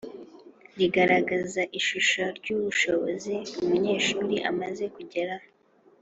rigaragaza ishusho y'ubushobozi umunyeshuri amaze kugeraho